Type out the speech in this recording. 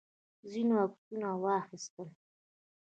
ځینو عکسونه واخیستل.